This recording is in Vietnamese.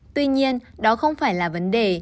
tuy nhiên đó không phải là vấn đề